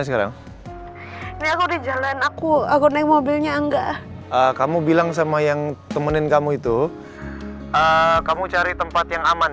sekarang aku naik mobilnya enggak kamu bilang sama yang temenin kamu itu kamu cari tempat yang aman